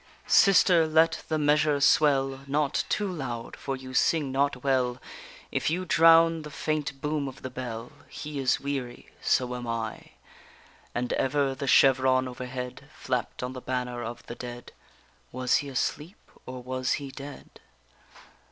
Sister, let the measure swell Not too loud; for you sing not well If you drown the faint boom of the bell; He is weary, so am I. _And ever the chevron overhead Flapped on the banner of the dead; (Was he asleep, or was he dead?)